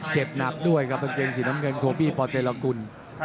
เจ็บหนักด้วยครับกางเกงสีน้ำเงินโคบี้ปเตรกุล